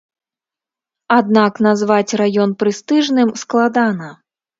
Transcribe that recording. Аднак назваць раён прэстыжным складана.